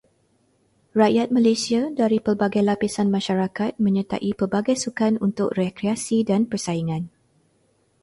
Rakyat Malaysia dari pelbagai lapisan masyarakat menyertai pelbagai sukan untuk rekreasi dan persaingan.